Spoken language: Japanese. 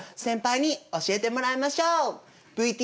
先輩に教えてもらいましょう！